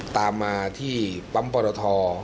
ตามมาที่ปั๊มปรท